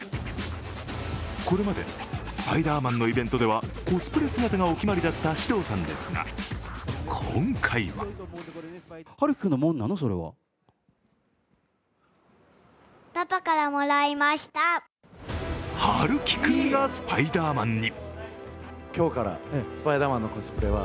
これまでスパイダーマンのイベントではコスプレ姿がお決まりだった獅童さんですが、今回は陽喜君がスパイダーマンに。